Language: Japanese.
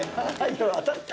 当たった。